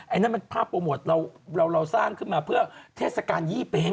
อันนั้นมันภาพโปรโมทเราสร้างขึ้นมาเพื่อเทศกาลยี่เป๊ง